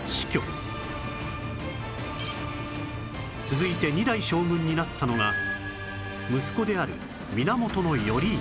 続いて二代将軍になったのが息子である源頼家